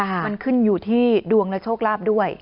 มันขึ้นอยู่ที่ดวงและโชคลาภด้วย